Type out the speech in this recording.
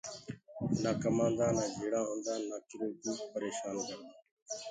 نآ ڪمآندآ نآ جھيڙآ هوندآ نآ ڪروڪوُ پريشآن ڪردآ